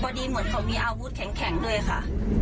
ดีเหมือนเขามีอาวุธแข็งด้วยค่ะ